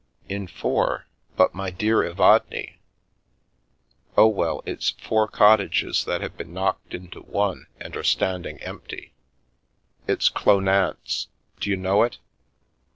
" In four ! But, my dear Evadne "" Oh, well, it's four cottages that have been knocked into one and are standing empty. It's Clownance. D'you know it